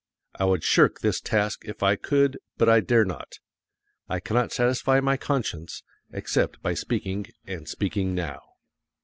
I would shirk this task if I could, but I dare not. I cannot satisfy my conscience except by speaking, and speaking now.